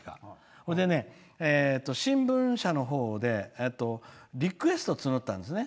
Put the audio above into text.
それでね、新聞社のほうでリクエストを募ったんですね。